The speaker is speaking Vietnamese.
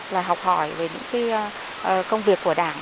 và học hỏi về những công việc của đảng